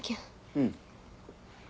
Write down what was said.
うん。